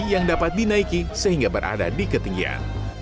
yang dapat dinaiki sehingga berada di ketinggian